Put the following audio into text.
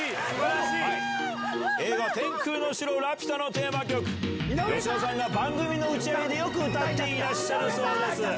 映画、天空の城ラピュタのテーマ曲、吉田さんが番組の打ち上げでよく歌っていらっしゃるそうです。